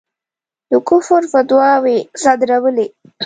د کُفر فتواوې صادرولې.